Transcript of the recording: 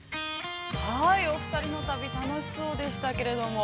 ◆お二人の旅、楽しそうでしたけれども。